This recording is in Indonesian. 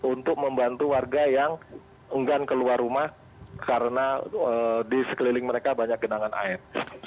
untuk membantu warga yang enggan keluar rumah karena di sekeliling mereka banyak genangan air